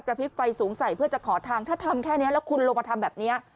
พริบไฟสูงใส่เพื่อจะขอทางถ้าทำแค่นี้แล้วคุณลงมาทำแบบนี้